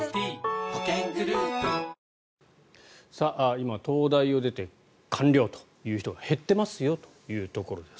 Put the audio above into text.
今、東大を出て官僚という人が減っていますよというところです。